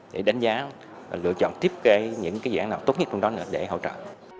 để đánh giá và lựa chọn tiếp cái những dạng nào tốt nhất trong đó để hỗ trợ